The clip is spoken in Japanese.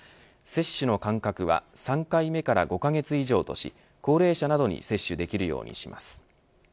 接種の間隔は３回目から５カ月以上とし高齢者などに接種できるようにします。